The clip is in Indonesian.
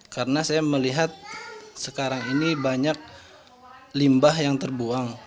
karena saya melihat sekarang ini banyak limbah yang terbuang